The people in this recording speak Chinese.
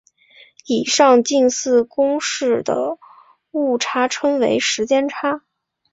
以上近似公式的误差称为时间差。